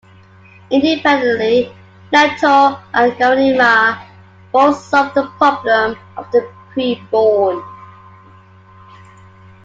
Independently, Leto and Ghanima both solve the problem of the pre-born.